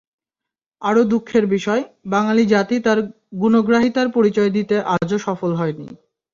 আরও দুঃখের বিষয়, বাঙালি জাতি তাঁর গুণগ্রাহিতার পরিচয় দিতে আজও সফল হয়নি।